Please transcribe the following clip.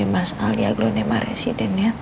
yang mas alia gelone maresiden